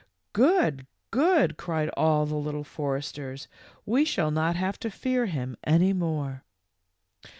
" Good, good," cried all the Little Foresters. w We shall not have to fear him any more."